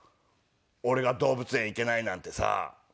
俺が動物園行けないなんてさ。